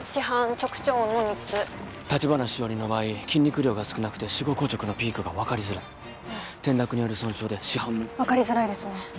直腸温の三つ橘しおりの場合筋肉量が少なくて死後硬直のピークが分かりづらい転落による損傷で死斑も分かりづらいですね